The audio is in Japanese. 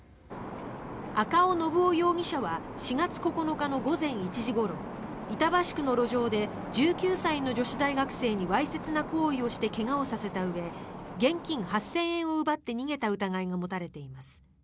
赤尾信雄容疑者は４月９日の午前１時ごろ板橋区の路上で１９歳の女子大学生にわいせつな行為をして怪我をさせたうえ現金８０００円を奪って逃げた疑いが持たれています。